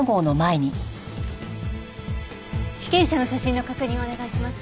被験者の写真の確認をお願いします。